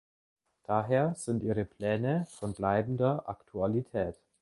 Daher sind ihre Pläne von bleibender Aktualität.